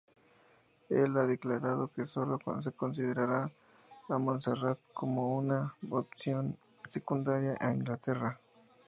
Él ha declarado que solo considerará a Montserrat como una opción secundaria a Inglaterra.